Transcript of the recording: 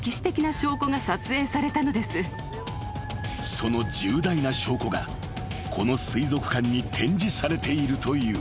［その重大な証拠がこの水族館に展示されているという］